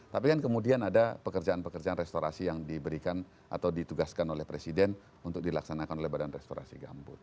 tapi kan kemudian ada pekerjaan pekerjaan restorasi yang diberikan atau ditugaskan oleh presiden untuk dilaksanakan oleh badan restorasi gambut